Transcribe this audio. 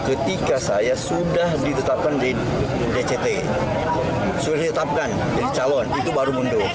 ketika saya sudah ditetapkan di dct sudah ditetapkan jadi calon itu baru mundur